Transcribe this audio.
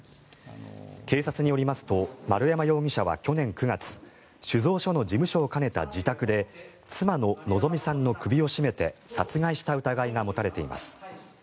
警察によりますと丸山容疑者は去年９月酒造所の事務所を兼ねた自宅で妻の希美さんの首を絞めて殺害した疑いが持たれています。